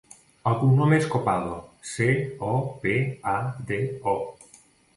El cognom és Copado: ce, o, pe, a, de, o.